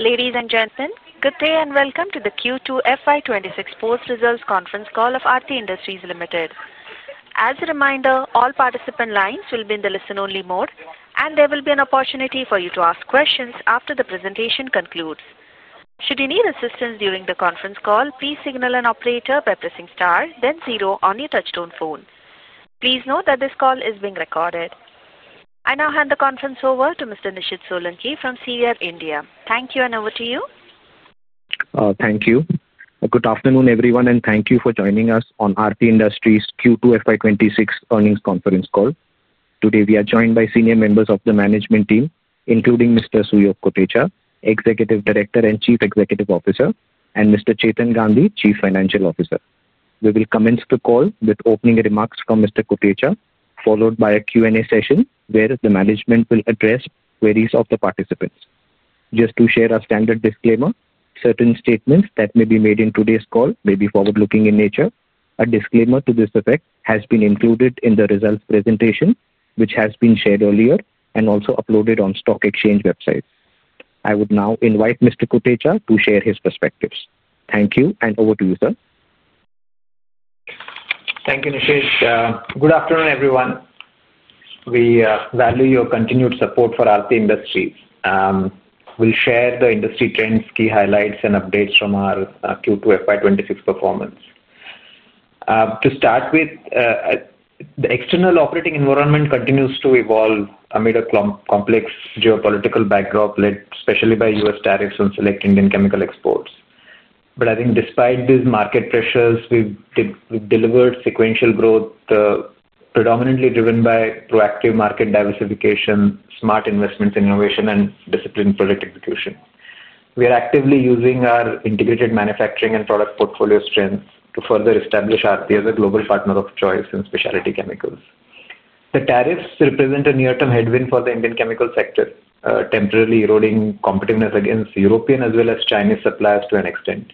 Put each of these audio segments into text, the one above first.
Ladies and gentlemen, good day and welcome to the Q2 FY26 Post Results Conference Call of Aarti Industries Limited. As a reminder, all participant lines will be in the listen-only mode, and there will be an opportunity for you to ask questions after the presentation concludes. Should you need assistance during the conference call, please signal an operator by pressing star, then zero on your touch-tone phone. Please note that this call is being recorded. I now hand the conference over to Mr.C. Thank you, and over to you. Thank you. Good afternoon, everyone, and thank you for joining us on Aarti Industries Q2 FY26 earnings conference call. Today, we are joined by senior members of the management team, including Mr. Suyog Kotecha, Executive Director and Chief Executive Officer, and Mr. Chetan Gandhi, Chief Financial Officer. We will commence the call with opening remarks from Mr. Kotecha, followed by a Q&A session where the management will address queries of the participants. Just to share a standard disclaimer, certain statements that may be made in today's call may be forward-looking in nature. A disclaimer to this effect has been included in the results presentation, which has been shared earlier and also uploaded on the stock exchange website. I would now invite Mr. Kotecha to share his perspectives. Thank you, and over to you, sir. Thank you, Nishid. Good afternoon, everyone. We value your continued support for Aarti Industries. We'll share the industry trends, key highlights, and updates from our Q2 FY26 performance. To start with, the external operating environment continues to evolve amid a complex geopolitical backdrop, led especially by U.S. tariffs on select Indian chemical exports. I think despite these market pressures, we've delivered sequential growth, predominantly driven by proactive market diversification, smart investments in innovation, and disciplined project execution. We are actively using our integrated manufacturing and product portfolio strength to further establish Aarti as a global partner of choice in specialty chemicals. The tariffs represent a near-term headwind for the Indian chemical sector, temporarily eroding competitiveness against European as well as Chinese suppliers to an extent.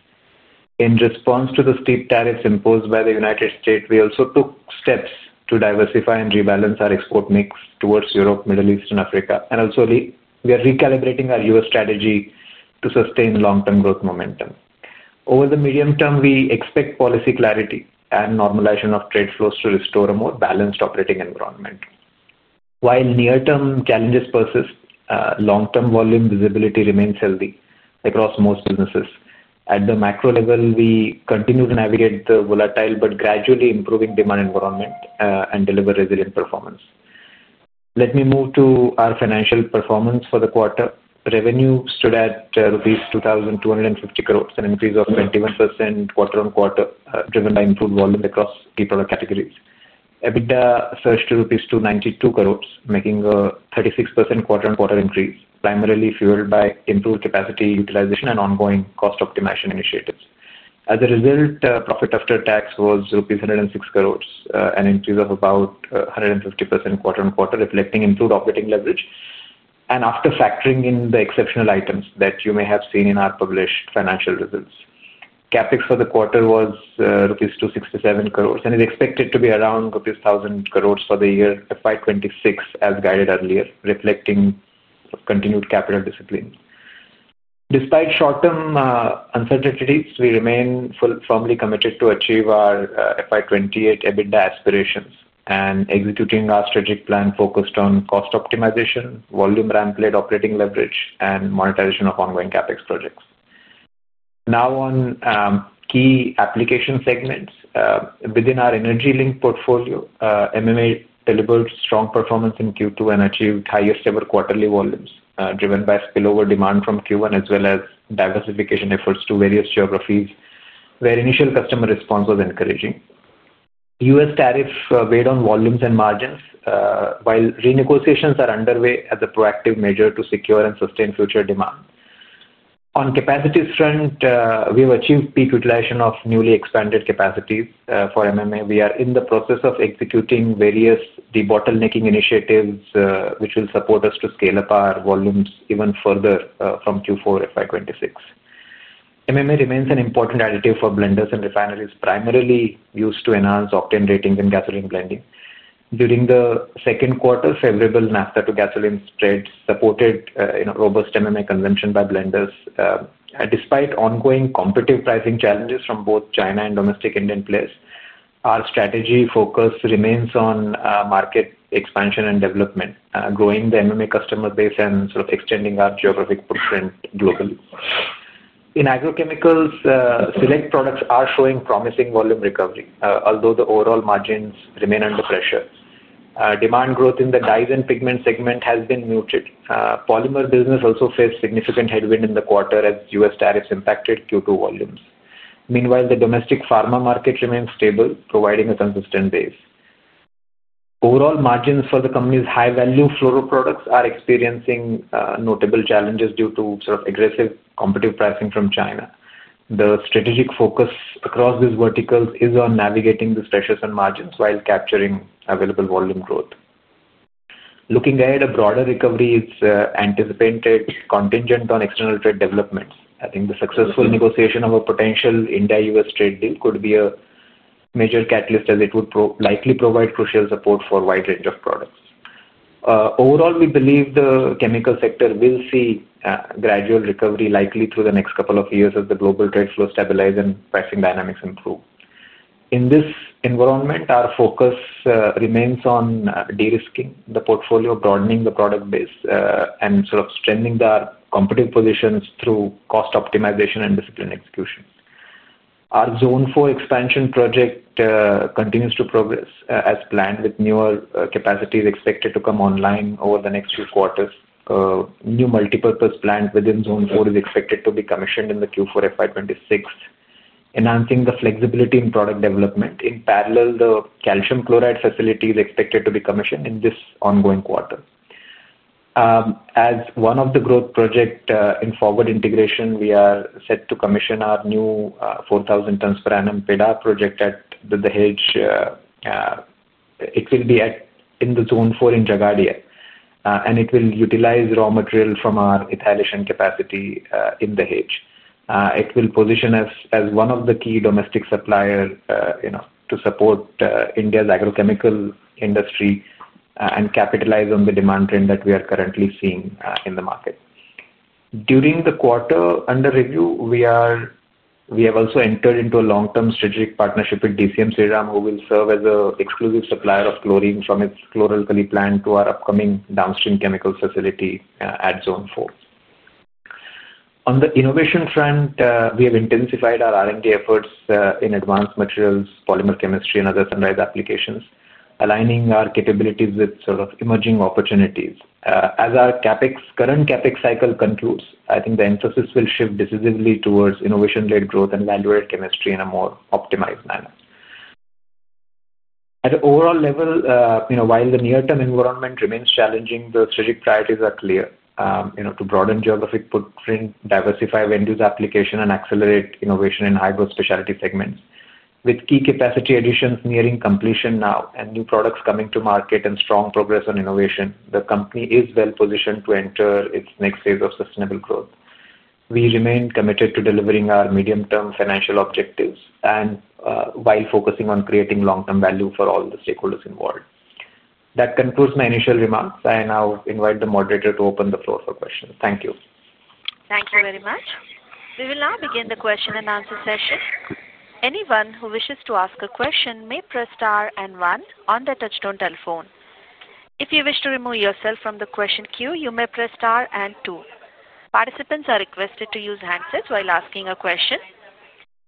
In response to the steep tariffs imposed by the U.S., we also took steps to diversify and rebalance our export mix towards Europe, the Middle East, and Africa. We are recalibrating our U.S. strategy to sustain long-term growth momentum. Over the medium term, we expect policy clarity and normalization of trade flows to restore a more balanced operating environment. While near-term challenges persist, long-term volume visibility remains healthy across most businesses. At the macro level, we continue to navigate the volatile but gradually improving demand environment and deliver resilient performance. Let me move to our financial performance for the quarter. Revenue stood at rupees 2,250 crores, an increase of 21% quarter-on-quarter, driven by improved volume across key product categories. EBITDA surged to rupees 292 crores, making a 36% quarter-on-quarter increase, primarily fueled by improved capacity utilization and ongoing cost optimization initiatives. As a result, profit after tax was 106 crores, an increase of about 150% quarter-on-quarter, reflecting improved operating leverage and after factoring in the exceptional items that you may have seen in our published financial results. CapEx for the quarter was rupees 267 crores, and it is expected to be around rupees 1,000 crores for the year FY26, as guided earlier, reflecting continued capital discipline. Despite short-term uncertainties, we remain firmly committed to achieve our FY28 EBITDA aspirations and executing our strategic plan focused on cost optimization, volume ramp-led operating leverage, and monetization of ongoing CapEx projects. Now, on key application segments, within our EnergyLink portfolio, MMA delivered strong performance in Q2 and achieved higher-stable quarterly volumes, driven by spillover demand from Q1 as well as diversification efforts to various geographies where initial customer response was encouraging. U.S. tariffs weighed on volumes and margins, while renegotiations are underway as a proactive measure to secure and sustain future demand. On capacity strength, we have achieved peak utilization of newly expanded capacities for MMA. We are in the process of executing various debottlenecking initiatives which will support us to scale up our volumes even further from Q4 FY26. MMA remains an important additive for blenders and refineries, primarily used to enhance octane rating and gasoline blending. During the second quarter, favorable naphtha-to-gasoline spread supported robust MMA consumption by blenders. Despite ongoing competitive pricing challenges from both China and domestic Indian players, our strategy focus remains on market expansion and development, growing the MMA customer base and sort of extending our geographic footprint globally. In agrochemicals, select products are showing promising volume recovery, although the overall margins remain under pressure. Demand growth in the dyes and pigments segment has been muted. Polymer business also faced significant headwinds in the quarter as U.S. tariffs impacted Q2 volumes. Meanwhile, the domestic pharma market remains stable, providing a consistent base. Overall margins for the company's high-value fluoroproducts are experiencing notable challenges due to sort of aggressive competitive pricing from China. The strategic focus across these verticals is on navigating these pressures and margins while capturing available volume growth. Looking ahead, a broader recovery is anticipated, contingent on external trade developments. I think the successful negotiation of a potential India-U.S. trade deal could be a major catalyst, as it would likely provide crucial support for a wide range of products. Overall, we believe the chemical sector will see gradual recovery, likely through the next couple of years as the global trade flows stabilize and pricing dynamics improve. In this environment, our focus remains on de-risking the portfolio, broadening the product base, and sort of strengthening our competitive positions through cost optimization and disciplined execution. Our Zone 4 expansion project continues to progress as planned, with newer capacities expected to come online over the next few quarters. New multipurpose plants within Zone 4 are expected to be commissioned in Q4 FY26, enhancing the flexibility in product development. In parallel, the calcium chloride facility is expected to be commissioned in this ongoing quarter. As one of the growth projects in forward integration, we are set to commission our new 4,000 tons per annum PEDA project with the hedge. It will be in Zone 4 in Jhagadia, and it will utilize raw material from our ethylation capacity in the hedge. It will position us as one of the key domestic suppliers to support India's agrochemical industry and capitalize on the demand trend that we are currently seeing in the market. During the quarter under review, we have also entered into a long-term strategic partnership with DCM Shriram, who will serve as an exclusive supplier of chlorine from its chlor-alkali plant to our upcoming downstream chemical facility at Zone 4. On the innovation front, we have intensified our R&D efforts in advanced materials, polymer chemistry, and other sunrise applications, aligning our capabilities with sort of emerging opportunities. As our current CapEx cycle concludes, I think the emphasis will shift decisively towards innovation-led growth and value-added chemistry in a more optimized manner. At an overall level, while the near-term environment remains challenging, the strategic priorities are clear: to broaden geographic footprint, diversify venues of application, and accelerate innovation in high-growth specialty segments. With key capacity additions nearing completion now and new products coming to market and strong progress on innovation, the company is well-positioned to enter its next phase of sustainable growth. We remain committed to delivering our medium-term financial objectives while focusing on creating long-term value for all the stakeholders involved. That concludes my initial remarks. I now invite the moderator to open the floor for questions. Thank you. Thank you very much. We will now begin the question-and-answer session. Anyone who wishes to ask a question may press star and one on the touch-tone telephone. If you wish to remove yourself from the question queue, you may press star and two. Participants are requested to use handsets while asking a question.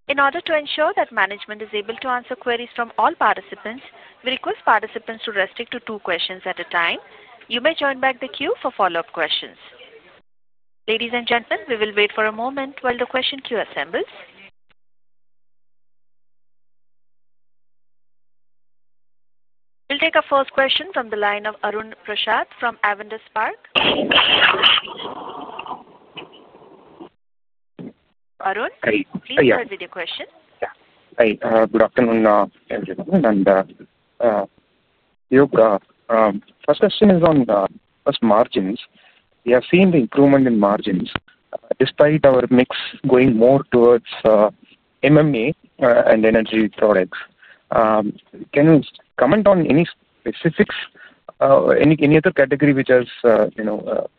In order to ensure that management is able to answer queries from all participants, we request participants to restrict to two questions at a time. You may join back the queue for follow-up questions. Ladies and gentlemen, we will wait for a moment while the question queue assembles. We'll take our first question from the line of Arun Prasath from Avendus Spark. Arun, please present your question. Hi. Good afternoon, everyone. First question is on first margins. We have seen the improvement in margins despite our mix going more towards MMA and energy products. Can you comment on any specifics? Any other category which has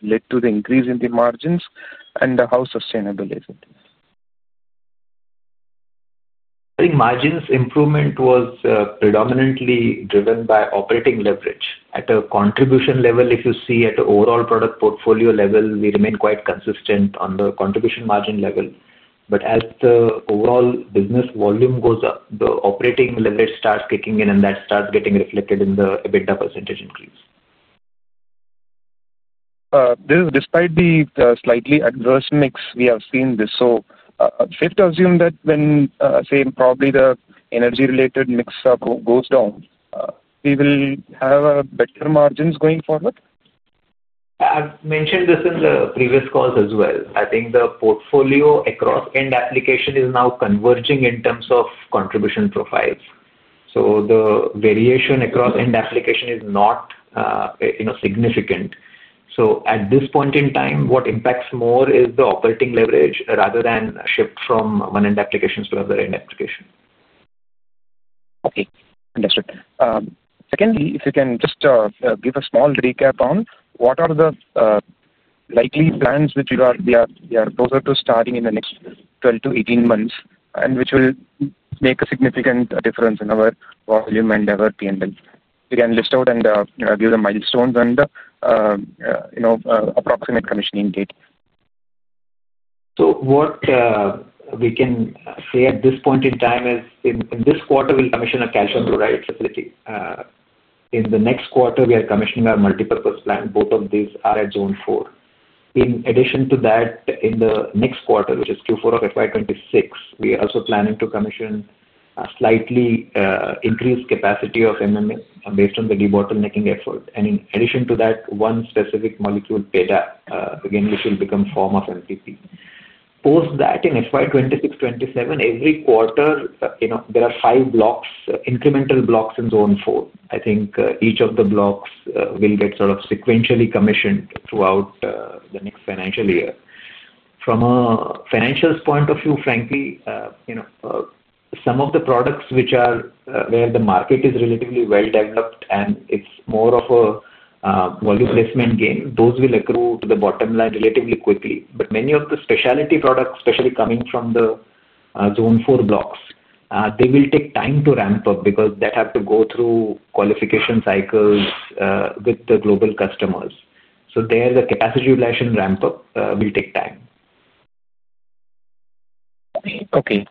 led to the increase in the margins and how sustainable is it? I think margins improvement was predominantly driven by operating leverage. At a contribution level, if you see at an overall product portfolio level, we remain quite consistent on the contribution margin level. As the overall business volume goes up, the operating leverage starts kicking in, and that starts getting reflected in the EBITDA % increase. Despite the slightly adverse mix we have seen this, so safe to assume that when I say probably the energy-related mix goes down. We will have better margins going forward? I've mentioned this in the previous calls as well. I think the portfolio across end application is now converging in terms of contribution profiles. So the variation across end application is not significant. At this point in time, what impacts more is the operating leverage rather than a shift from one end application to another end application. Okay. Understood. Secondly, if you can just give a small recap on what are the likely plans which you are closer to starting in the next 12 to 18 months and which will make a significant difference in our volume and our P&L. You can list out and give the milestones and the approximate commissioning date. What we can say at this point in time is in this quarter, we'll commission a calcium chloride facility. In the next quarter, we are commissioning our multipurpose plant. Both of these are at Zone 4. In addition to that, in the next quarter, which is Q4 of FY26, we are also planning to commission a slightly increased capacity of MMA based on the debottlenecking effort. In addition to that, one specific molecule, PEDA, again, which will become a form of MPP. Post that, in FY26-27, every quarter, there are five blocks, incremental blocks in Zone 4. I think each of the blocks will get sort of sequentially commissioned throughout the next financial year. From a financials point of view, frankly, some of the products which are where the market is relatively well developed and it's more of a. Volume placement game, those will accrue to the bottom line relatively quickly. Many of the specialty products, especially coming from the Zone 4 blocks, they will take time to ramp up because they have to go through qualification cycles with the global customers. There, the capacity utilization ramp-up will take time. Okay.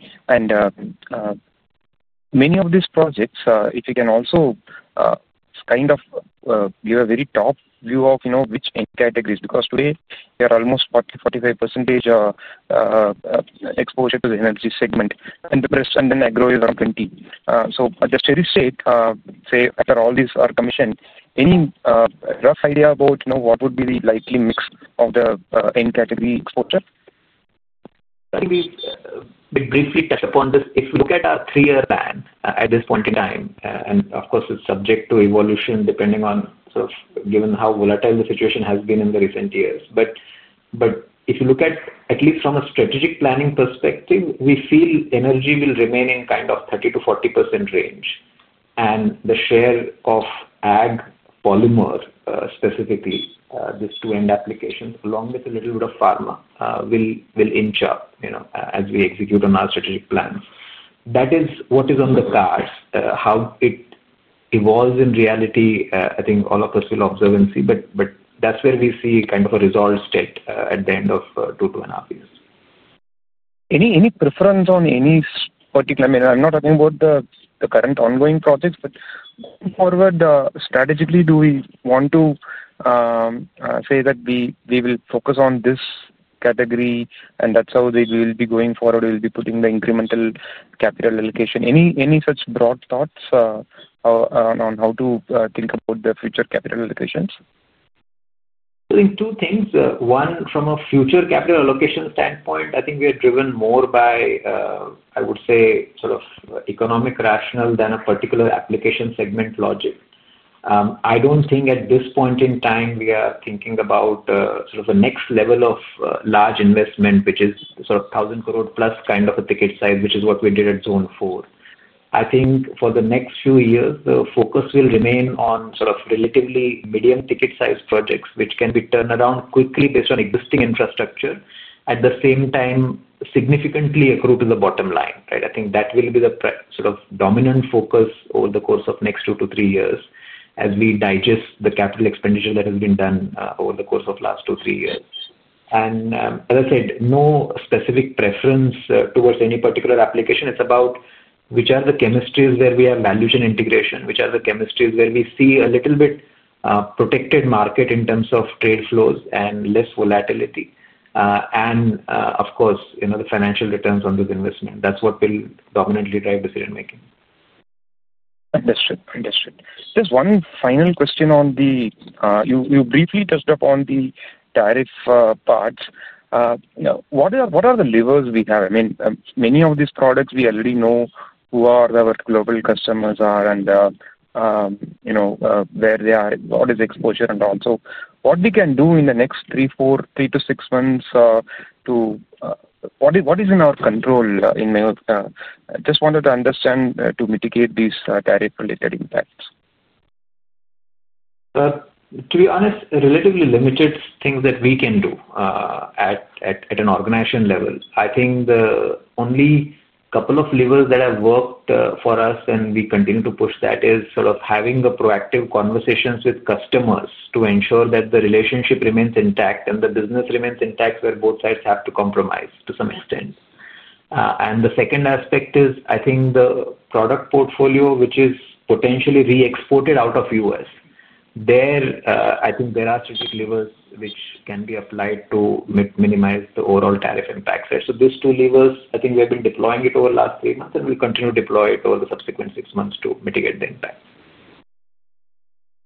Many of these projects, if you can also kind of give a very top view of which end categories, because today, we are almost 45% exposure to the energy segment, and the rest and then agro is around 20. Just hearing you say, after all these are commissioned, any rough idea about what would be the likely mix of the end category exposure? Let me briefly touch upon this. If you look at our three-year plan at this point in time, and of course, it's subject to evolution depending on sort of given how volatile the situation has been in the recent years. If you look at at least from a strategic planning perspective, we feel energy will remain in kind of 30-40% range. The share of ag polymer, specifically these two end applications, along with a little bit of pharma, will inch up as we execute on our strategic plans. That is what is on the cards, how it evolves in reality. I think all of us will observe and see, but that's where we see kind of a result state at the end of two to two and a half years. Any preference on any particular, I mean, I'm not talking about the current ongoing projects, but going forward, strategically, do we want to say that we will focus on this category and that's how we will be going forward, we'll be putting the incremental capital allocation? Any such broad thoughts on how to think about the future capital allocations? I think two things. One, from a future capital allocation standpoint, I think we are driven more by, I would say, sort of economic rationale than a particular application segment logic. I do not think at this point in time we are thinking about sort of a next level of large investment, which is sort of 1,000 crore plus kind of a ticket size, which is what we did at Zone 4. I think for the next few years, the focus will remain on sort of relatively medium ticket size projects, which can be turned around quickly based on existing infrastructure, at the same time significantly accrue to the bottom line. I think that will be the sort of dominant focus over the course of next two to three years as we digest the capital expenditure that has been done over the course of the last two to three years. As I said, no specific preference towards any particular application. It is about which are the chemistries where we have valuation integration, which are the chemistries where we see a little bit protected market in terms of trade flows and less volatility. Of course, the financial returns on this investment. That is what will dominantly drive decision-making. Understood. Understood. Just one final question on the, you briefly touched upon the tariff part. What are the levers we have? I mean, many of these products, we already know who our global customers are and where they are, what is exposure, and also what we can do in the next three to four, three to six months to, what is in our control? I just wanted to understand to mitigate these tariff-related impacts. To be honest, relatively limited things that we can do. At an organization level, I think the only couple of levers that have worked for us, and we continue to push that, is sort of having proactive conversations with customers to ensure that the relationship remains intact and the business remains intact where both sides have to compromise to some extent. The second aspect is, I think, the product portfolio, which is potentially re-exported out of the U.S. There, I think there are strategic levers which can be applied to minimize the overall tariff impacts. These two levers, I think we have been deploying over the last three months and we'll continue to deploy over the subsequent six months to mitigate the impact.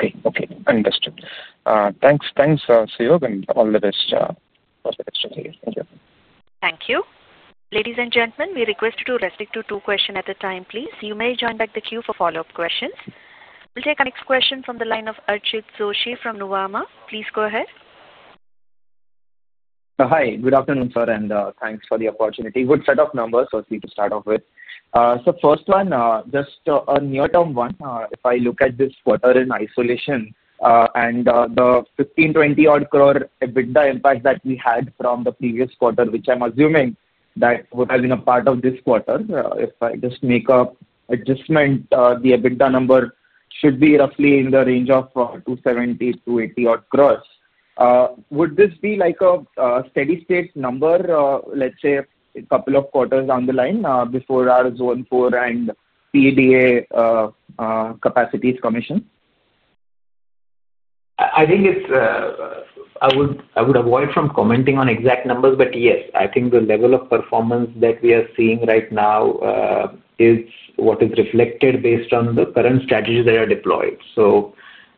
Okay. Okay. Understood. Thanks, Suyog, and all the best. Thank you. Thank you. Ladies and gentlemen, we request you to restrict to two questions at a time, please. You may join back the queue for follow-up questions. We'll take our next question from the line of Archit Joshi from Nuvama. Please go ahead. Hi. Good afternoon, sir, and thanks for the opportunity. Good set of numbers for us to start off with. So first one, just a near-term one. If I look at this quarter in isolation and the 15-20 crore EBITDA impact that we had from the previous quarter, which I'm assuming that would have been a part of this quarter, if I just make an adjustment, the EBITDA number should be roughly in the range of 270-280 crores. Would this be like a steady-state number, let's say, a couple of quarters down the line before our Zone 4 and PEDA capacities commission? I think I would avoid commenting on exact numbers, but yes, I think the level of performance that we are seeing right now is what is reflected based on the current strategies that are deployed.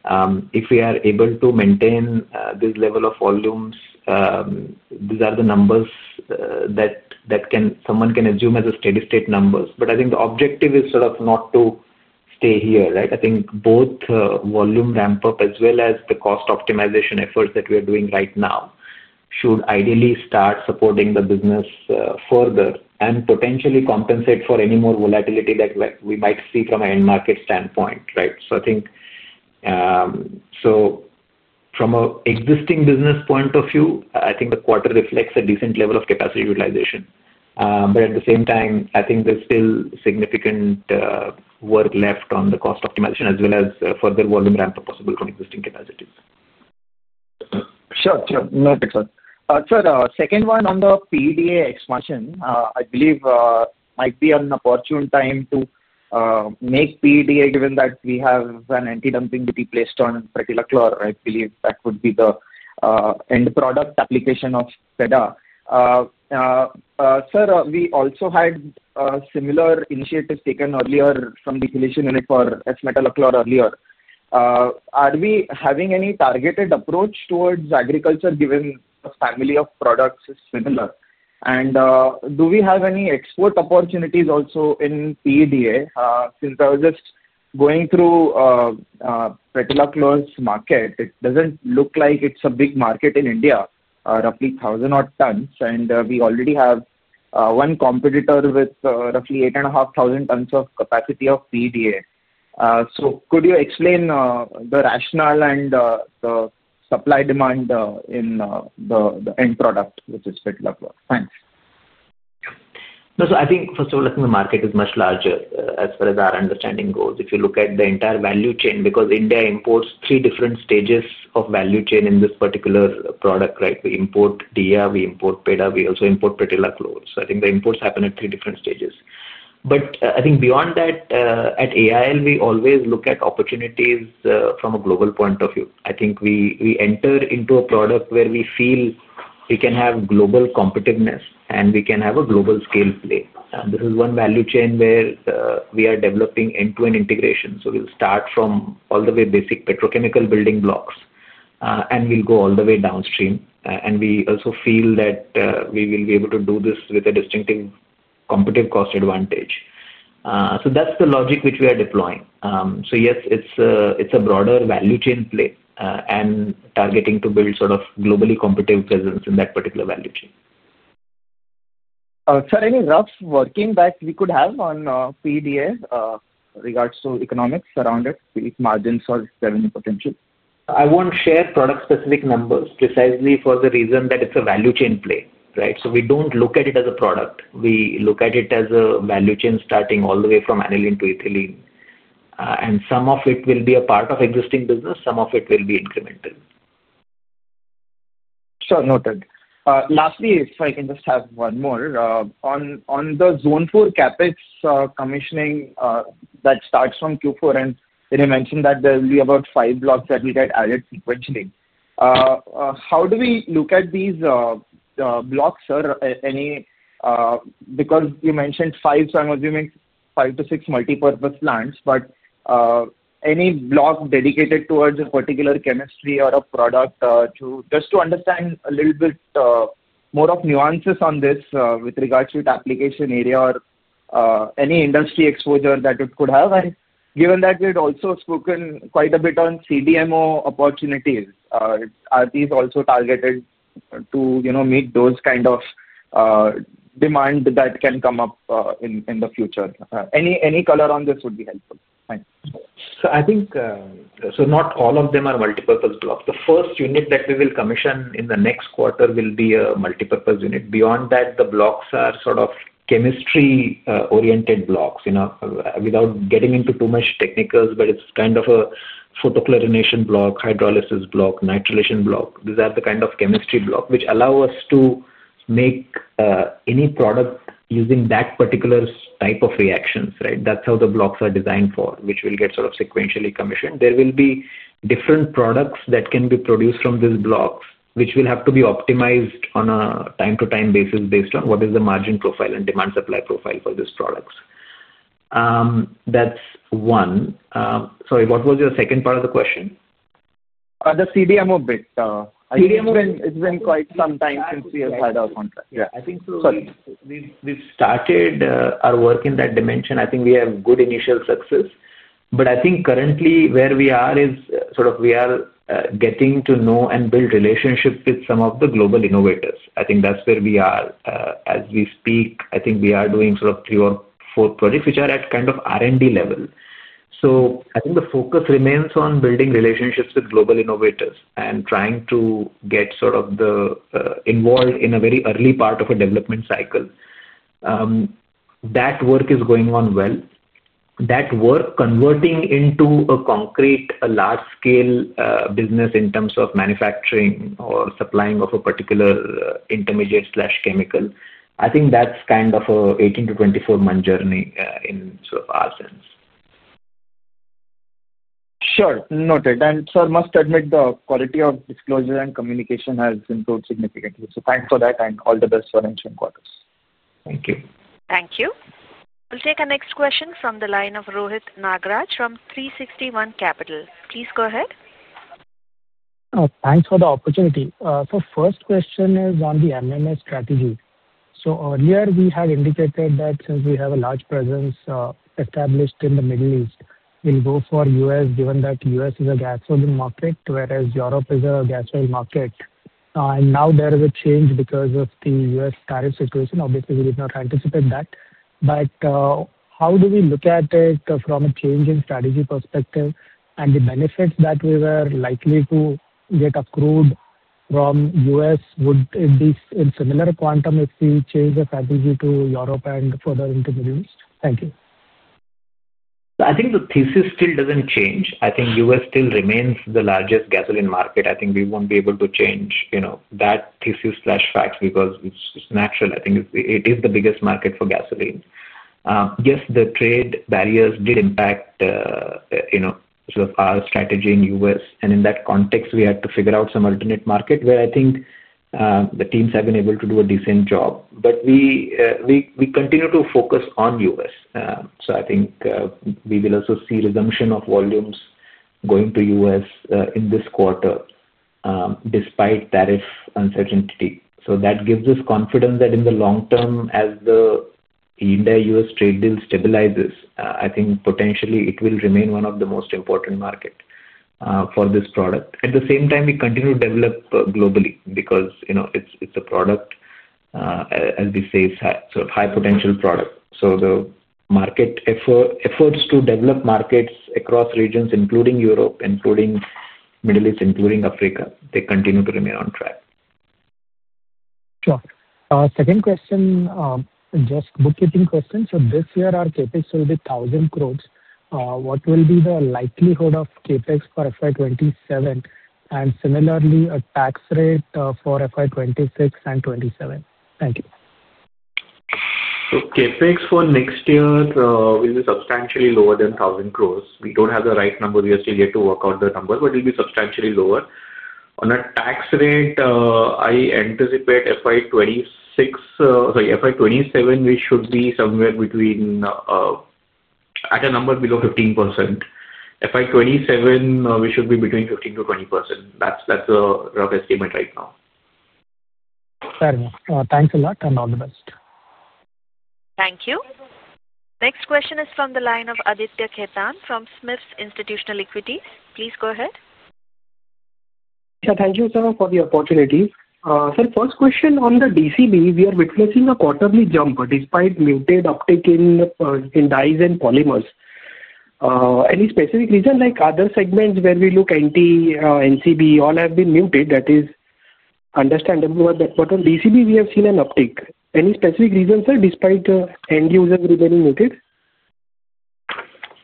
If we are able to maintain this level of volumes, these are the numbers that someone can assume as steady-state numbers. I think the objective is sort of not to stay here. I think both volume ramp-up as well as the cost optimization efforts that we are doing right now should ideally start supporting the business further and potentially compensate for any more volatility that we might see from an end market standpoint. I think from an existing business point of view, the quarter reflects a decent level of capacity utilization. At the same time, I think there's still significant. Work left on the cost optimization as well as further volume ramp-up possible from existing capacities. Sure. Sure. No problem. Sir, the second one on the PEDA expansion, I believe, might be an opportune time to make PEDA, given that we have an anti-dumping duty placed on particular chlorine. I believe that would be the end product application of PEDA. Sir, we also had similar initiatives taken earlier from the definition unit for S-metalochlore earlier. Are we having any targeted approach towards agriculture, given the family of products is similar? And do we have any export opportunities also in PEDA? Since I was just going through petroleum chloride's market, it doesn't look like it's a big market in India, roughly 1,000-odd tons. And we already have one competitor with roughly 8,500 tons of capacity of PEDA. So could you explain the rationale and the supply-demand in the end product, which is petroleum chloride? Thanks. I think, first of all, I think the market is much larger as far as our understanding goes. If you look at the entire value chain, because India imports three different stages of value chain in this particular product, we import DIA, we import PEDA, we also import petroleum chloride. I think the imports happen at three different stages. I think beyond that, at Aarti Industries, we always look at opportunities from a global point of view. I think we enter into a product where we feel we can have global competitiveness and we can have a global scale play. This is one value chain where we are developing end-to-end integration. We will start from all the basic petrochemical building blocks and we will go all the way downstream. We also feel that we will be able to do this with a distinctive competitive cost advantage. That's the logic which we are deploying. Yes, it's a broader value chain play and targeting to build sort of globally competitive presence in that particular value chain. Sir, any rough working that we could have on PDA in regards to economics around it, margins or revenue potential? I won't share product-specific numbers precisely for the reason that it's a value chain play. We don't look at it as a product. We look at it as a value chain starting all the way from annealing to ethylene. Some of it will be a part of existing business. Some of it will be incremental. Sure. Noted. Lastly, if I can just have one more. On the Zone 4 CapEx commissioning that starts from Q4, and you mentioned that there will be about five blocks that will get added sequentially. How do we look at these blocks, sir? Because you mentioned five, so I'm assuming five to six multipurpose plants. Any block dedicated towards a particular chemistry or a product? Just to understand a little bit more of nuances on this with regards to the application area or any industry exposure that it could have. Given that we had also spoken quite a bit on CDMO opportunities, are these also targeted to meet those kind of demand that can come up in the future? Any color on this would be helpful. Thanks. I think not all of them are multipurpose blocks. The first unit that we will commission in the next quarter will be a multipurpose unit. Beyond that, the blocks are sort of chemistry-oriented blocks. Without getting into too much technicals, but it's kind of a photoclorination block, hydrolysis block, nitrilation block. These are the kind of chemistry blocks which allow us to make any product using that particular type of reactions. That's how the blocks are designed for, which will get sort of sequentially commissioned. There will be different products that can be produced from these blocks, which will have to be optimized on a time-to-time basis based on what is the margin profile and demand-supply profile for these products. That's one. Sorry, what was the second part of the question? The CDMO bit. It's been quite some time since we have had our contract. Yeah. I think. Sorry. We've started our work in that dimension. I think we have good initial success. I think currently where we are is sort of we are getting to know and build relationships with some of the global innovators. I think that's where we are as we speak. I think we are doing sort of three or four projects which are at kind of R&D level. I think the focus remains on building relationships with global innovators and trying to get sort of the involved in a very early part of a development cycle. That work is going on well. That work converting into a concrete, a large-scale business in terms of manufacturing or supplying of a particular intermediate/chemical, I think that's kind of an 18-24 month journey in sort of our sense. Sure. Noted. Sir, must admit the quality of disclosure and communication has improved significantly. Thanks for that and all the best for the next few quarters. Thank you. Thank you. We'll take our next question from the line of Rohit Nagraj from 361 Capital. Please go ahead. Thanks for the opportunity. First question is on the MMA strategy. Earlier, we had indicated that since we have a large presence established in the Middle East, we will go for the U.S., given that the U.S. is a gasoline market, whereas Europe is a gas oil market. Now there is a change because of the U.S. tariff situation. Obviously, we did not anticipate that. How do we look at it from a change in strategy perspective and the benefits that we were likely to get accrued from the U.S.? Would it be in similar quantum if we change the strategy to Europe and further into the Middle East? Thank you. I think the thesis still does not change. I think US still remains the largest gasoline market. I think we will not be able to change that thesis or facts because it is natural. I think it is the biggest market for gasoline. Yes, the trade barriers did impact sort of our strategy in US. In that context, we had to figure out some alternate market where I think the teams have been able to do a decent job. We continue to focus on US. I think we will also see resumption of volumes going to US in this quarter, despite tariff uncertainty. That gives us confidence that in the long term, as the India-US trade deal stabilizes, I think potentially it will remain one of the most important markets for this product. At the same time, we continue to develop globally because it is a product. As we say, sort of high-potential product. The market efforts to develop markets across regions, including Europe, including the Middle East, including Africa, they continue to remain on track. Sure. Second question. Just bookkeeping question. So this year, our CapEx will be 1,000 crores. What will be the likelihood of CapEx for FY 2027? And similarly, a tax rate for FY 2026 and 2027? Thank you. CapEx for next year will be substantially lower than 1,000 crores. We do not have the right number. We are still yet to work out the number, but it will be substantially lower. On a tax rate, I anticipate FY 2027, we should be somewhere between. At a number below 15%. FY 2027, we should be between 15%-20%. That is the rough estimate right now. Thanks a lot and all the best. Thank you. Next question is from the line of Aditya Ketan from Smith's Institutional Equities. Please go ahead. Thank you, sir, for the opportunity. Sir, first question, on the DCB, we are witnessing a quarterly jump despite muted uptick in dyes and polymers. Any specific reason? Like other segments where we look, NT, NCB, all have been muted. That is understandable. On DCB, we have seen an uptick. Any specific reason, sir, despite end users remaining muted?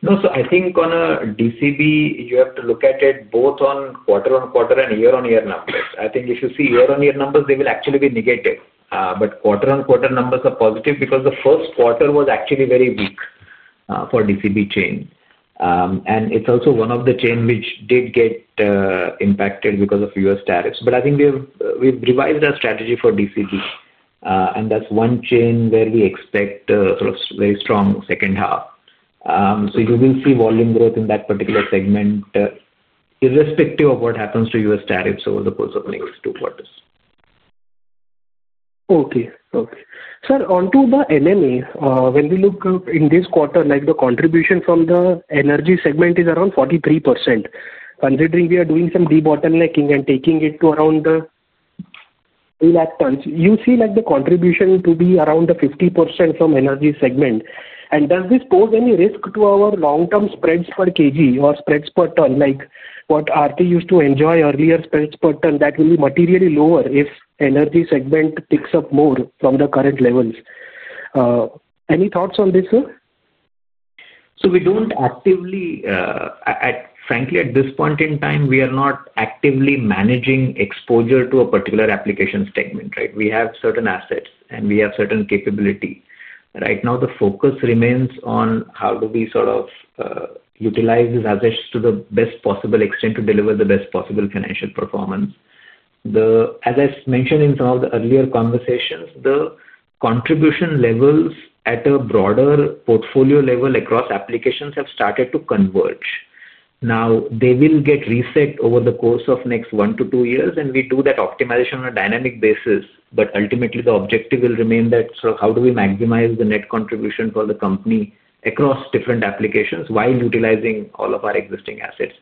No, sir. I think on DCB, you have to look at it both on quarter-on-quarter and year-on-year numbers. I think if you see year-on-year numbers, they will actually be negative. Quarter-on-quarter numbers are positive because the first quarter was actually very weak for the DCB chain. It is also one of the chains which did get impacted because of U.S. tariffs. I think we've revised our strategy for DCB. That is one chain where we expect sort of very strong second half. You will see volume growth in that particular segment, irrespective of what happens to U.S. tariffs over the course of the next two quarters. Okay. Okay. Sir, onto the NME, when we look in this quarter, the contribution from the energy segment is around 43%. Considering we are doing some debottlenecking and taking it to around 3 lakh tons, you see the contribution to be around 50% from the energy segment. Does this pose any risk to our long-term spreads per kg or spreads per ton? Like what RT used to enjoy, earlier spreads per ton, that will be materially lower if the energy segment picks up more from the current levels. Any thoughts on this, sir? We do not actively. Frankly, at this point in time, we are not actively managing exposure to a particular application statement. We have certain assets and we have certain capability. Right now, the focus remains on how do we sort of utilize these assets to the best possible extent to deliver the best possible financial performance. As I mentioned in some of the earlier conversations, the contribution levels at a broader portfolio level across applications have started to converge. Now, they will get reset over the course of the next one to two years, and we do that optimization on a dynamic basis. Ultimately, the objective will remain that sort of how do we maximize the net contribution for the company across different applications while utilizing all of our existing assets.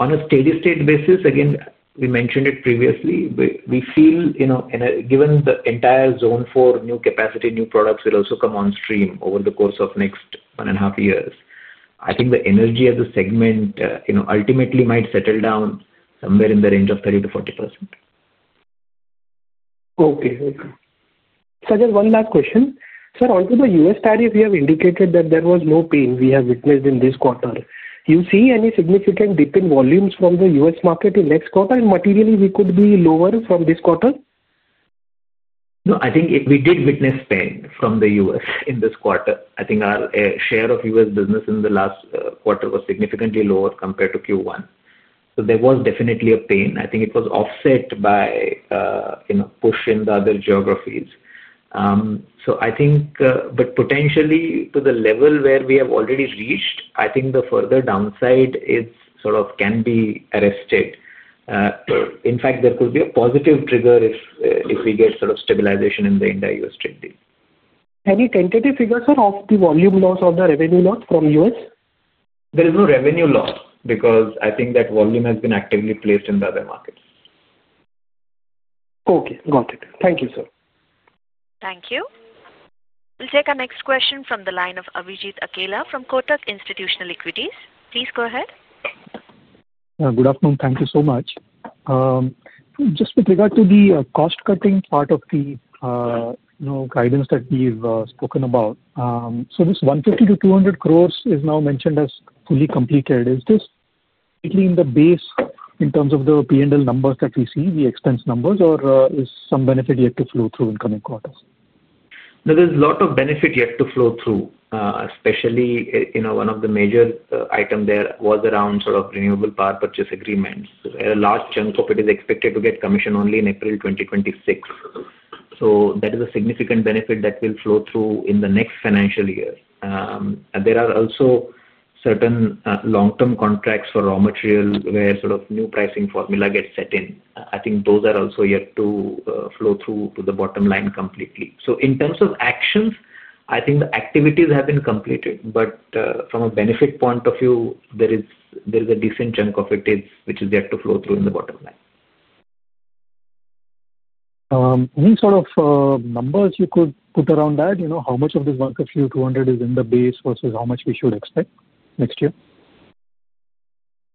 On a steady-state basis, again, we mentioned it previously, we feel given the entire Zone 4 new capacity, new products will also come on stream over the course of the next one and a half years. I think the energy of the segment ultimately might settle down somewhere in the range of 30-40%. Okay. Okay. Sir, just one last question. Sir, onto the U.S. tariff, we have indicated that there was no pain we have witnessed in this quarter. You see any significant dip in volumes from the U.S. market in the next quarter? And materially, we could be lower from this quarter? No, I think we did witness pain from the U.S. in this quarter. I think our share of U.S. business in the last quarter was significantly lower compared to Q1. There was definitely a pain. I think it was offset by push in the other geographies. I think, but potentially to the level where we have already reached, the further downside sort of can be arrested. In fact, there could be a positive trigger if we get sort of stabilization in the India-U.S. trade deal. Any tentative figures, sir, of the volume loss or the revenue loss from US? There is no revenue loss because I think that volume has been actively placed in the other markets. Okay. Got it. Thank you, sir. Thank you. We'll take our next question from the line of Abhijit Akella from Kotak Institutional Equities. Please go ahead. Good afternoon. Thank you so much. Just with regard to the cost-cutting part of the guidance that we've spoken about. So this 150-200 crores is now mentioned as fully completed. Is this completely in the base in terms of the P&L numbers that we see, the expense numbers, or is some benefit yet to flow through in the coming quarters? There is a lot of benefit yet to flow through, especially one of the major items there was around sort of renewable power purchase agreements. A large chunk of it is expected to get commissioned only in April 2026. That is a significant benefit that will flow through in the next financial year. There are also certain long-term contracts for raw material where sort of new pricing formula gets set in. I think those are also yet to flow through to the bottom line completely. In terms of actions, I think the activities have been completed. From a benefit point of view, there is a decent chunk of it which is yet to flow through in the bottom line. Any sort of numbers you could put around that? How much of this 150-200 is in the base versus how much we should expect next year?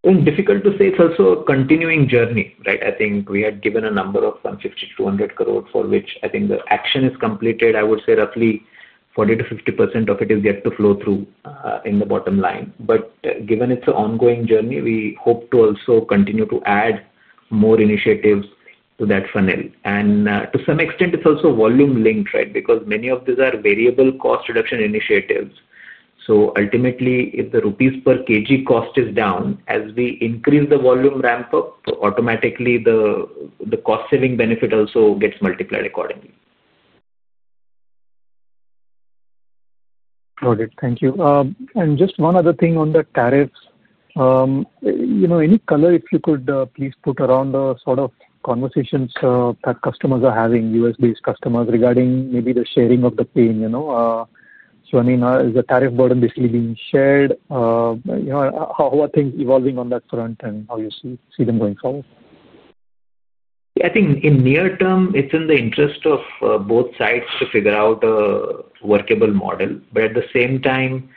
Difficult to say. It's also a continuing journey. I think we had given a number of 150-200 crores for which I think the action is completed. I would say roughly 40-50% of it is yet to flow through in the bottom line. Given it's an ongoing journey, we hope to also continue to add more initiatives to that funnel. To some extent, it's also volume-linked because many of these are variable cost reduction initiatives. Ultimately, if the rupees per kg cost is down, as we increase the volume ramp up, automatically the cost-saving benefit also gets multiplied accordingly. Got it. Thank you. Just one other thing on the tariffs. Any color, if you could please put around the sort of conversations that customers are having, U.S.-based customers, regarding maybe the sharing of the pain? I mean, is the tariff burden basically being shared? How are things evolving on that front, and how do you see them going forward? I think in near term, it's in the interest of both sides to figure out a workable model. At the same time,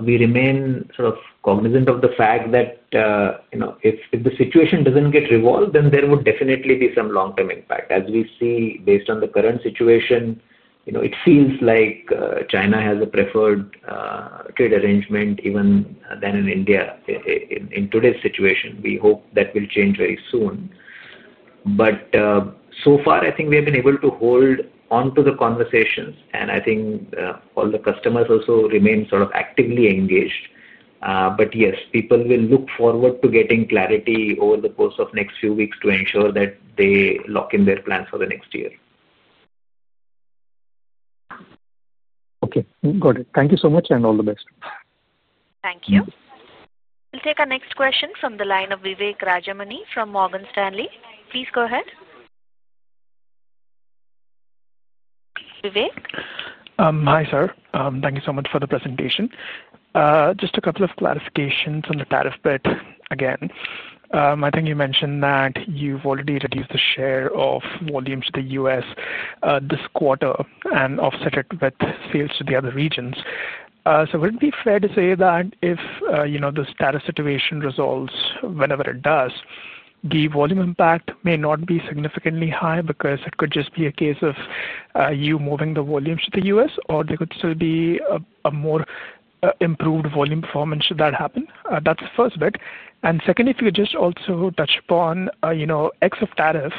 we remain sort of cognizant of the fact that if the situation doesn't get resolved, then there would definitely be some long-term impact. As we see, based on the current situation, it feels like China has a preferred trade arrangement even than India. In today's situation, we hope that will change very soon. So far, I think we have been able to hold onto the conversations. I think all the customers also remain sort of actively engaged. Yes, people will look forward to getting clarity over the course of the next few weeks to ensure that they lock in their plans for the next year. Okay. Got it. Thank you so much and all the best. Thank you. We'll take our next question from the line of Vivek Rajamani from Morgan Stanley. Please go ahead. Vivek. Hi, sir. Thank you so much for the presentation. Just a couple of clarifications on the tariff bit again. I think you mentioned that you've already reduced the share of volume to the U.S. this quarter and offset it with sales to the other regions. Would it be fair to say that if this tariff situation resolves whenever it does, the volume impact may not be significantly high because it could just be a case of you moving the volume to the U.S., or there could still be a more improved volume performance should that happen? That's the first bit. Second, if you could just also touch upon, excluding tariff,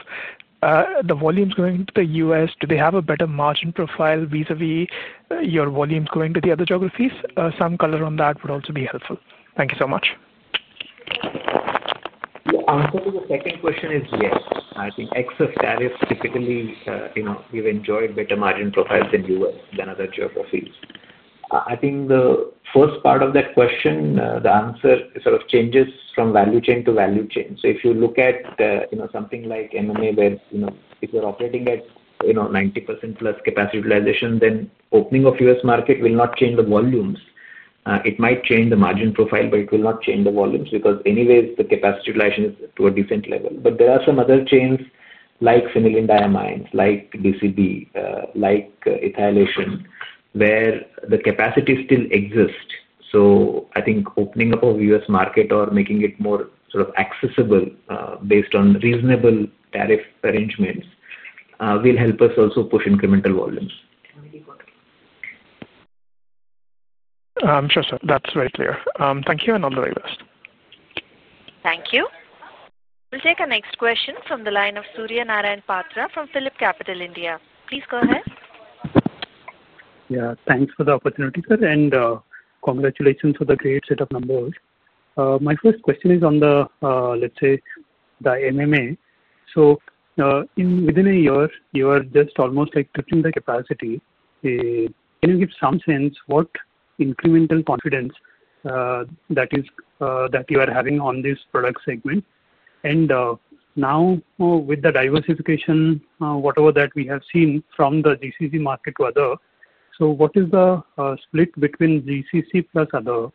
the volumes going to the U.S., do they have a better margin profile vis-à-vis your volumes going to the other geographies? Some color on that would also be helpful. Thank you so much. The second question is yes. I think excluding tariff, typically, we've enjoyed better margin profiles in the U.S. than other geographies. I think the first part of that question, the answer sort of changes from value chain to value chain. If you look at something like NME, if you're operating at 90% plus capacity utilization, then opening of U.S. market will not change the volumes. It might change the margin profile, but it will not change the volumes because anyways, the capacity utilization is to a decent level. There are some other chains like phenylene diamines, like DCB, like ethylation, where the capacity still exists. I think opening up of U.S. market or making it more sort of accessible based on reasonable tariff arrangements will help us also push incremental volumes. Sure, sir. That's very clear. Thank you and all the very best. Thank you. We'll take our next question from the line of Surya Narayan Patra from Phillip Capital India. Please go ahead. Yeah. Thanks for the opportunity, sir, and congratulations for the great set of numbers. My first question is on the, let's say, the NME. Within a year, you are just almost like touching the capacity. Can you give some sense what incremental confidence that you are having on this product segment? Now, with the diversification, whatever that we have seen from the GCC market to other, what is the split between GCC plus other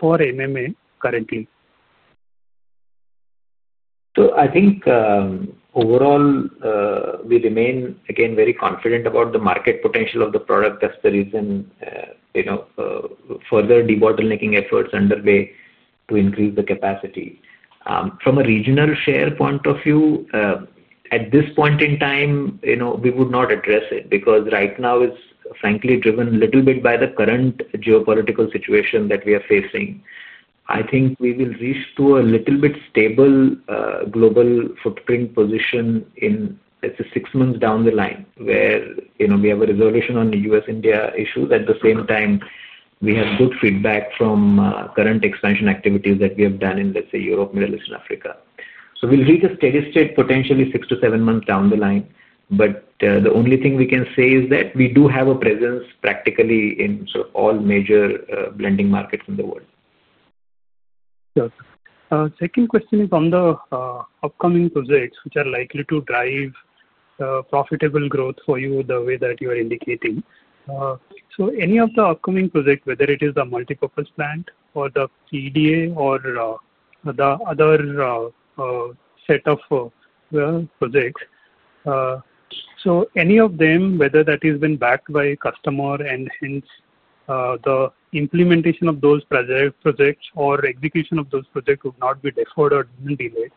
for NME currently? I think overall we remain, again, very confident about the market potential of the product. That's the reason further debottlenecking efforts are underway to increase the capacity. From a regional share point of view, at this point in time, we would not address it because right now it's frankly driven a little bit by the current geopolitical situation that we are facing. I think we will reach to a little bit stable global footprint position in, let's say, six months down the line, where we have a resolution on the U.S.-India issues. At the same time, we have good feedback from current expansion activities that we have done in, let's say, Europe, Middle East, and Africa. We'll reach a steady-state, potentially six to seven months down the line. The only thing we can say is that we do have a presence practically in sort of all major blending markets in the world. Sure. Second question is on the upcoming projects which are likely to drive profitable growth for you the way that you are indicating. Any of the upcoming projects, whether it is the multipurpose plant or the PEDA or the other set of projects, any of them, whether that has been backed by customer and hence the implementation of those projects or execution of those projects would not be deferred or even delayed?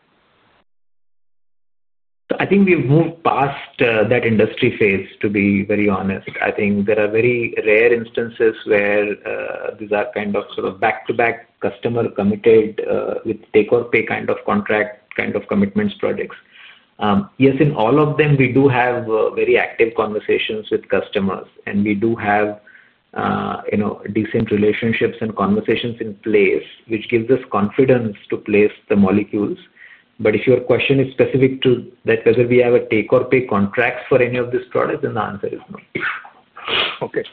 I think we've moved past that industry phase, to be very honest. I think there are very rare instances where these are kind of sort of back-to-back customer committed with take-or-pay kind of contract kind of commitments projects. Yes, in all of them, we do have very active conversations with customers, and we do have decent relationships and conversations in place, which gives us confidence to place the molecules. If your question is specific to whether we have a take-or-pay contract for any of these products, then the answer is no. Okay.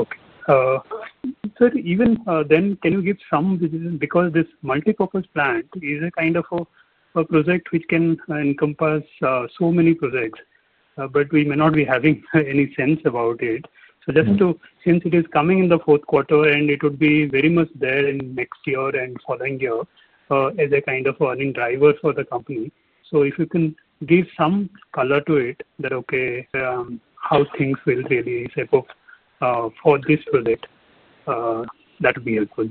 Okay. Sir, even then, can you give some vision because this multipurpose plant is a kind of a project which can encompass so many projects, but we may not be having any sense about it. Just since it is coming in the fourth quarter, and it would be very much there in next year and following year as a kind of earning driver for the company. If you can give some color to it that, okay. How things will really set up for this project. That would be helpful.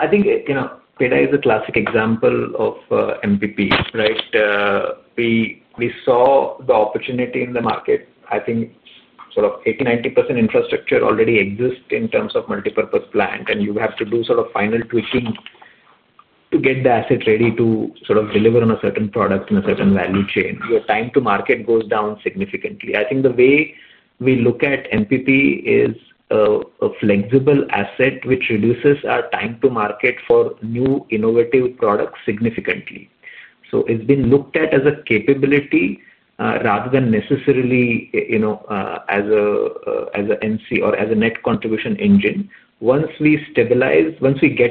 I think PEDA is a classic example of MVP, right? We saw the opportunity in the market. I think sort of 80-90% infrastructure already exists in terms of multipurpose plant, and you have to do sort of final tweaking to get the asset ready to sort of deliver on a certain product in a certain value chain. Your time-to-market goes down significantly. I think the way we look at MVP is a flexible asset which reduces our time-to-market for new innovative products significantly. It has been looked at as a capability rather than necessarily as an NC or as a net contribution engine. Once we get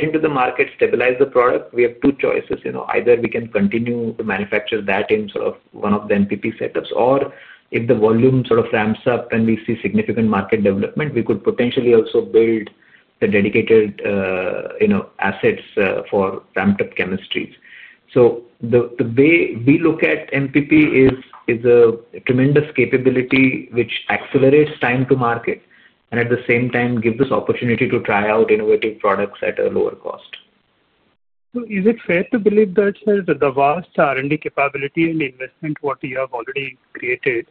into the market, stabilize the product, we have two choices. Either we can continue to manufacture that in sort of one of the MPP setups, or if the volume sort of ramps up and we see significant market development, we could potentially also build the dedicated assets for ramped-up chemistries. The way we look at MPP is a tremendous capability which accelerates time-to-market and at the same time gives us opportunity to try out innovative products at a lower cost. Is it fair to believe that, sir, that the vast R&D capability and investment what you have already created,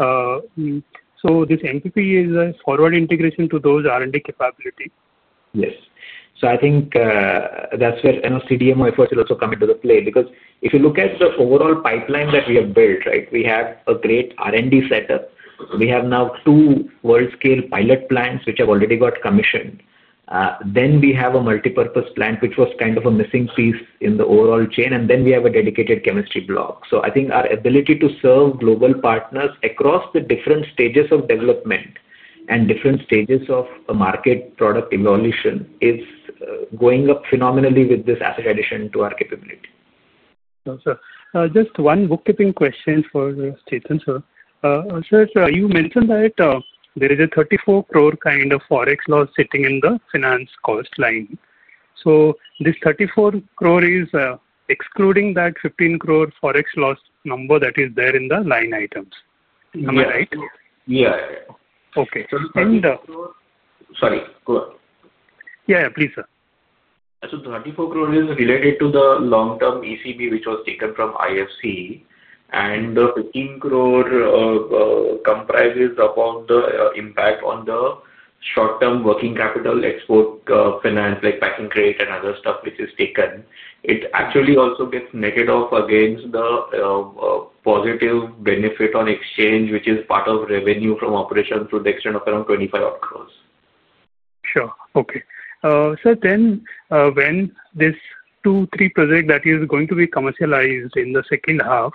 so this MPP is a forward integration to those R&D capabilities? Yes. So I think that's where CDMO efforts will also come into play because if you look at the overall pipeline that we have built, right, we have a great R&D setup. We have now two world-scale pilot plants which have already got commissioned. We have a multipurpose plant which was kind of a missing piece in the overall chain. We have a dedicated chemistry block. I think our ability to serve global partners across the different stages of development and different stages of market product evolution is going up phenomenally with this asset addition to our capability. Sure. Just one bookkeeping question for Chetan, sir. Sir, you mentioned that there is a 34 crore kind of forex loss sitting in the finance cost line. So this 34 crore is excluding that 15 crore forex loss number that is there in the line items. Am I right? Yeah. Okay. And. Sorry. Go ahead. Yeah, yeah. Please, sir. Thirty-four crore is related to the long-term ECB which was taken from IFC. The fifteen crore comprises about the impact on the short-term working capital export finance, like packing credit and other stuff which is taken. It actually also gets netted off against the positive benefit on exchange, which is part of revenue from operations to the extent of around twenty-five-odd crore. Sure. Okay. So then when this two, three project that is going to be commercialized in the second half,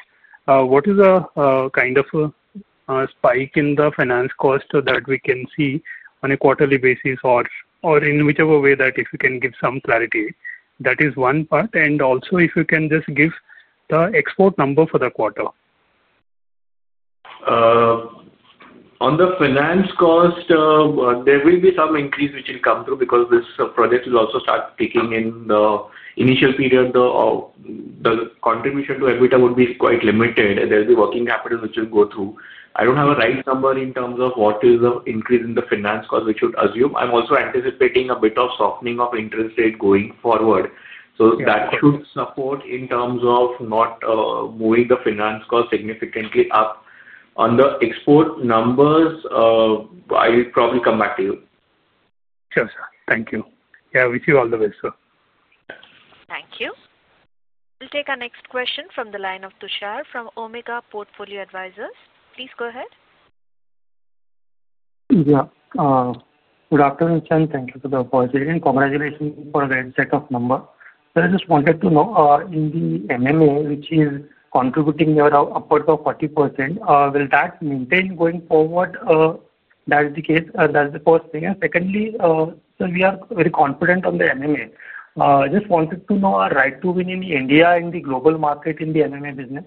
what is the kind of spike in the finance cost that we can see on a quarterly basis or in whichever way that if you can give some clarity? That is one part. Also, if you can just give the export number for the quarter. On the finance cost. There will be some increase which will come through because this project will also start taking in the initial period. The contribution to EBITDA would be quite limited. There will be working capital which will go through. I do not have a right number in terms of what is the increase in the finance cost which would assume. I am also anticipating a bit of softening of interest rate going forward. That should support in terms of not moving the finance cost significantly up. On the export numbers. I will probably come back to you. Sure, sir. Thank you. Yeah, we see you all the way, sir. Thank you. We'll take our next question from the line of Tushar from Omega Portfolio Advisors. Please go ahead. Yeah. Good afternoon. Thank you for the voice again. Congratulations for a great set of numbers. I just wanted to know, in the MMA, which is contributing upwards of 40%, will that maintain going forward? That's the first thing. Secondly, sir, we are very confident on the MMA. Just wanted to know our right to win in India and the global market in the MMA business.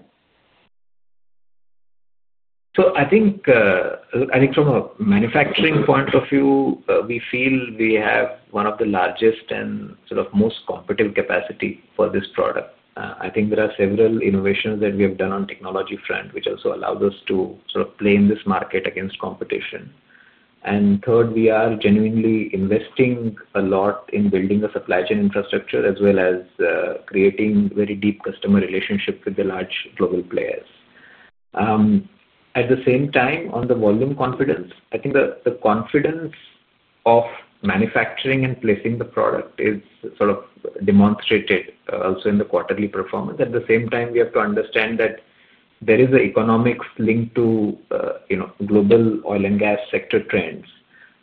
I think from a manufacturing point of view, we feel we have one of the largest and sort of most competitive capacity for this product. I think there are several innovations that we have done on the technology front which also allows us to sort of play in this market against competition. Third, we are genuinely investing a lot in building the supply chain infrastructure as well as creating very deep customer relationships with the large global players. At the same time, on the volume confidence, I think the confidence of manufacturing and placing the product is sort of demonstrated also in the quarterly performance. At the same time, we have to understand that there is an economic link to global oil and gas sector trends.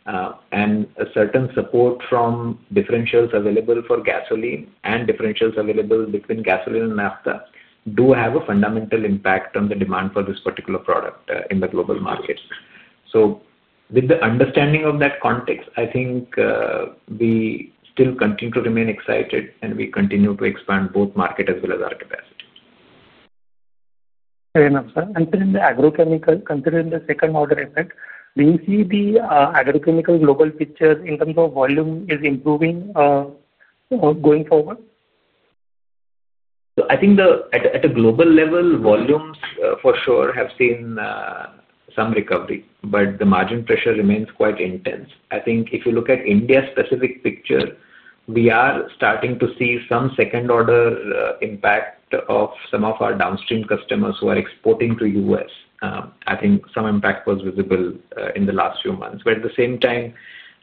A certain support from differentials available for gasoline and differentials available between gasoline and naphtha do have a fundamental impact on the demand for this particular product in the global market. With the understanding of that context, I think we still continue to remain excited, and we continue to expand both market as well as our capacity. Very nice, sir. In the agrochemical, considering the second-order effect, do you see the agrochemical global picture in terms of volume is improving? Going forward? I think at a global level, volumes for sure have seen some recovery, but the margin pressure remains quite intense. I think if you look at India's specific picture, we are starting to see some second-order impact of some of our downstream customers who are exporting to the U.S. I think some impact was visible in the last few months. At the same time,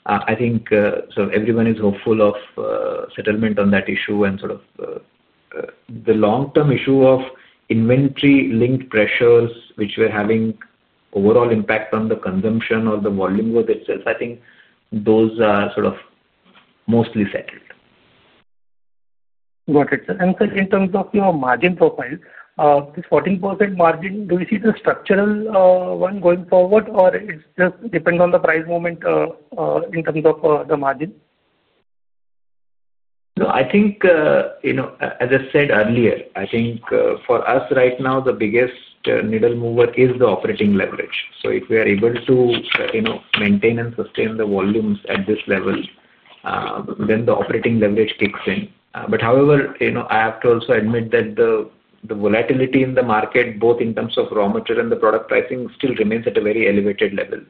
I think everyone is hopeful of settlement on that issue and sort of the long-term issue of inventory-linked pressures, which are having overall impact on the consumption or the volume work itself. I think those are mostly settled. Got it, sir. In terms of your margin profile, this 14% margin, do you see the structural one going forward, or it just depends on the price movement? In terms of the margin? I think, as I said earlier, I think for us right now, the biggest needle mover is the operating leverage. If we are able to maintain and sustain the volumes at this level, then the operating leverage kicks in. However, I have to also admit that the volatility in the market, both in terms of raw material and the product pricing, still remains at a very elevated level.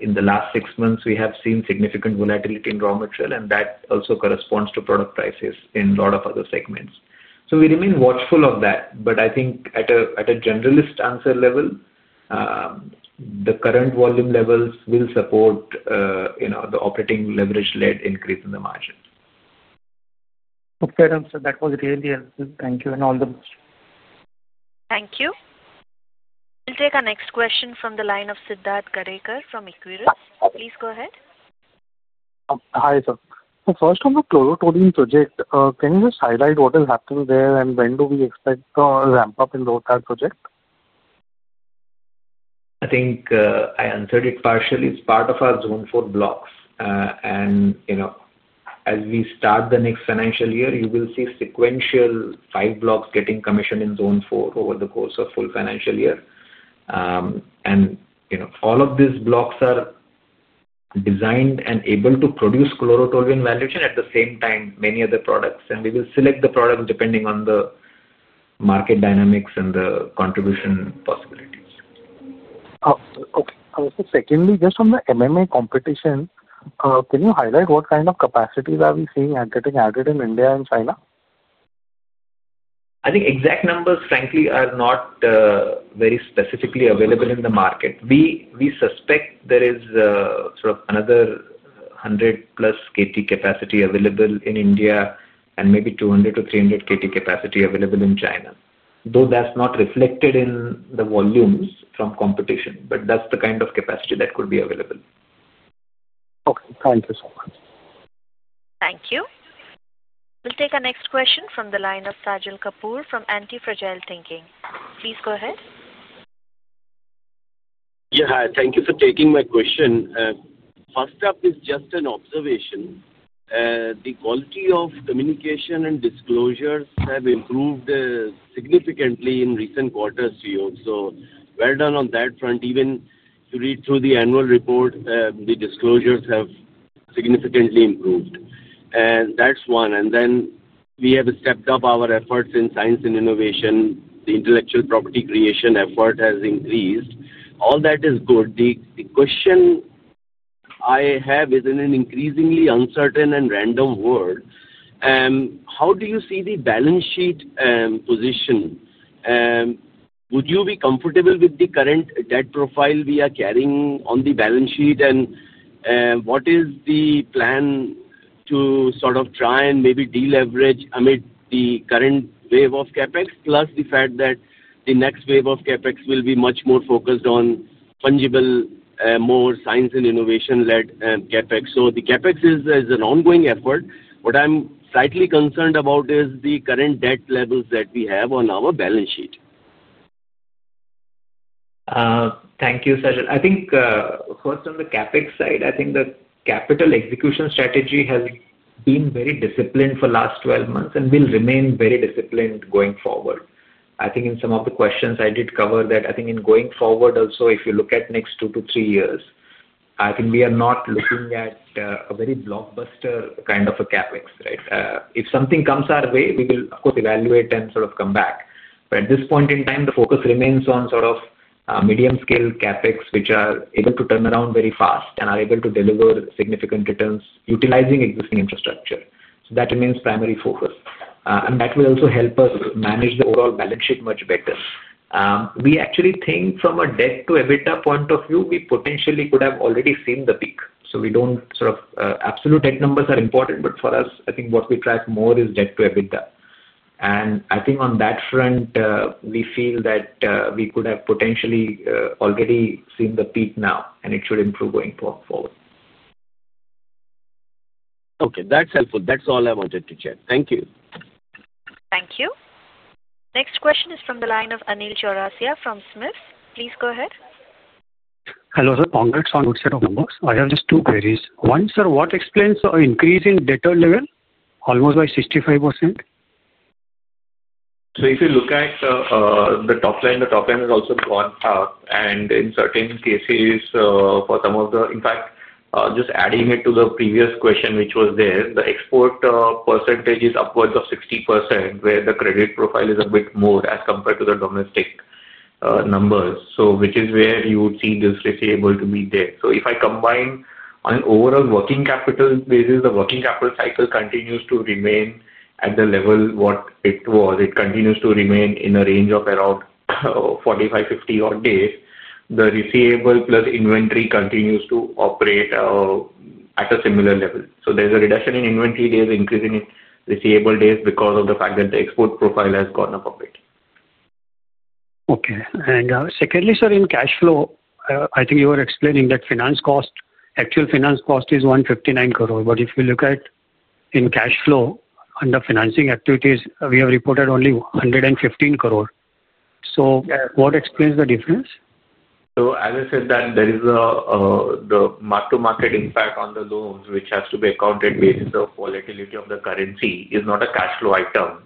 In the last six months, we have seen significant volatility in raw material, and that also corresponds to product prices in a lot of other segments. We remain watchful of that. I think at a generalist answer level, the current volume levels will support the operating leverage-led increase in the margin. Okay, sir. That was really helpful. Thank you and all the best. Thank you. We'll take our next question from the line of Siddharth Gadekar from Equirus. Please go ahead. Hi, sir. So first on the Chlorotoluidine project, can you just highlight what is happening there and when do we expect the ramp-up in the entire project? I think I answered it partially. It's part of our Zone 4 blocks. As we start the next financial year, you will see sequential five blocks getting commissioned in Zone 4 over the course of the full financial year. All of these blocks are designed and able to produce chlorotoluene valuation at the same time as many other products. We will select the product depending on the market dynamics and the contribution possibilities. Okay. Secondly, just on the MMA competition, can you highlight what kind of capacities are we seeing getting added in India and China? I think exact numbers, frankly, are not very specifically available in the market. We suspect there is sort of another 100-plus KT capacity available in India and maybe 200-300 KT capacity available in China, though that's not reflected in the volumes from competition. But that's the kind of capacity that could be available. Okay. Thank you so much. Thank you. We'll take our next question from the line of Sajal Kapoor from Antifragile Thinking. Please go ahead. Yeah. Hi. Thank you for taking my question. First up is just an observation. The quality of communication and disclosures have improved significantly in recent quarters too. So well done on that front. Even to read through the annual report, the disclosures have significantly improved. That is one. We have stepped up our efforts in science and innovation. The intellectual property creation effort has increased. All that is good. The question I have is in an increasingly uncertain and random world. How do you see the balance sheet position? Would you be comfortable with the current debt profile we are carrying on the balance sheet? What is the plan to sort of try and maybe deleverage amid the current wave of CapEx, plus the fact that the next wave of CapEx will be much more focused on fungible, more science and innovation-led CapEx? The CapEx is an ongoing effort. What I'm slightly concerned about is the current debt levels that we have on our balance sheet. Thank you, Sajal. I think first on the CapEx side, the capital execution strategy has been very disciplined for the last 12 months and will remain very disciplined going forward. I think in some of the questions I did cover that in going forward also, if you look at the next two to three years, we are not looking at a very blockbuster kind of a CapEx, right? If something comes our way, we will, of course, evaluate and sort of come back. At this point in time, the focus remains on sort of medium-scale CapEx, which are able to turn around very fast and are able to deliver significant returns utilizing existing infrastructure. That remains the primary focus. That will also help us manage the overall balance sheet much better. We actually think from a debt-to-EBITDA point of view, we potentially could have already seen the peak. We do not sort of, absolute debt numbers are important, but for us, I think what we track more is debt-to-EBITDA. I think on that front, we feel that we could have potentially already seen the peak now, and it should improve going forward. Okay. That is helpful. That is all I wanted to share. Thank you. Thank you. Next question is from the line of Anil Chaurasia from SMIFS. Please go ahead. Hello, sir. Congrats on a good set of numbers. I have just two queries. One, sir, what explains the increase in debtor level almost by 65%? If you look at the top line, the top line has also gone up. In certain cases, for some of the, in fact, just adding it to the previous question which was there, the export percentage is upwards of 60%, where the credit profile is a bit more as compared to the domestic numbers, which is where you would see this risk able to be there. If I combine on an overall working capital basis, the working capital cycle continues to remain at the level what it was. It continues to remain in a range of around 45-50 odd days. The receivable plus inventory continues to operate at a similar level. There is a reduction in inventory days, increase in receivable days because of the fact that the export profile has gone up a bit. Okay. Secondly, sir, in cash flow, I think you were explaining that actual finance cost is 159 crore. If you look at in cash flow under financing activities, we have reported only 115 crore. What explains the difference? As I said, there is the mark-to-market impact on the loans, which has to be accounted based on the volatility of the currency. It is not a cash flow item.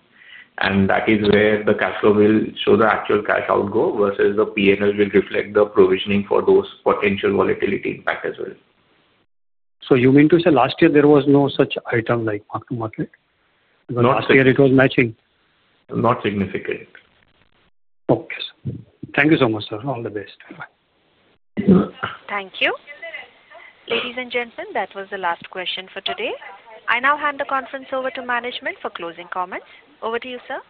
That is where the cash flow will show the actual cash outgo versus the P&L will reflect the provisioning for those potential volatility impact as well. You mean to say last year there was no such item like mark-to-market? No. Last year it was matching? Not significant. Okay. Thank you so much, sir. All the best. Thank you. Ladies and gentlemen, that was the last question for today. I now hand the conference over to management for closing comments. Over to you, sir.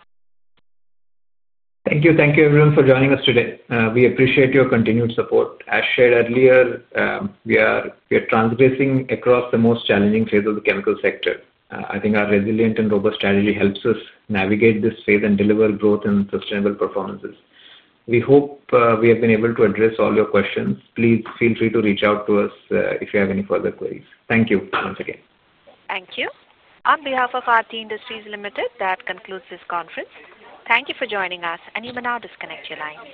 Thank you. Thank you, everyone, for joining us today. We appreciate your continued support. As shared earlier, we are transgressing across the most challenging phase of the chemical sector. I think our resilient and robust strategy helps us navigate this phase and deliver growth and sustainable performances. We hope we have been able to address all your questions. Please feel free to reach out to us if you have any further queries. Thank you once again. Thank you. On behalf of Aarti Industries Limited, that concludes this conference. Thank you for joining us, and you may now disconnect your line.